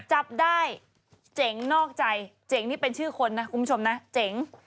จับได้เจ๋งนอกใจเจ๋งนี่เป็นชื่อคนนะคุณผู้ชมนะเจ๋ง